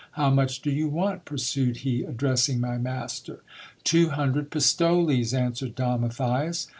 How much do you want T \ pursued he, addressing my master. * Two hundred pistoles,' answered Don \ M itthias.